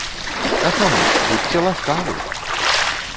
А чаму ж, будзьце ласкавы!